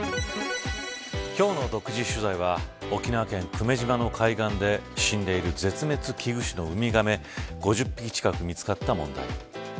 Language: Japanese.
今日の独自取材は沖縄県久米島の海岸で死んでいる絶滅危惧種のウミガメ５０匹近く見つかった問題。